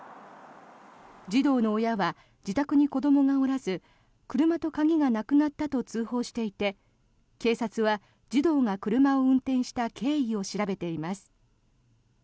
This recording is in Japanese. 児童の親は自宅に子どもがおらず車と鍵がなくなったと通報していて、警察は児童が車を運転した経緯を調べています。